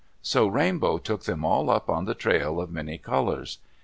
So Rainbow took them all up on the trail of many colors.